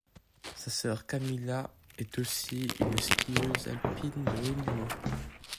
Sa sœur Camilla est aussi une skieuse alpine de haut niveau.